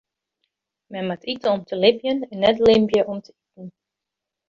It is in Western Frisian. Men moat ite om te libjen en net libje om te iten.